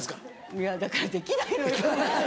いやだからできないのよ。